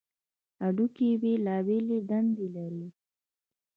هډوکي بېلابېلې دندې لري.